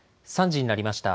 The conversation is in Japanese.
３時になりました。